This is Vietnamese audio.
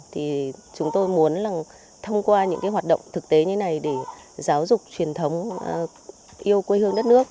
thì chúng tôi muốn là thông qua những cái hoạt động thực tế như này để giáo dục truyền thống yêu quê hương đất nước